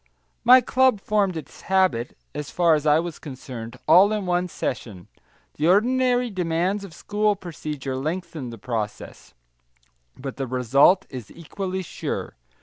My club formed its habit, as far as I was concerned, all in one session; the ordinary demands of school procedure lengthen the process, but the result is equally sure.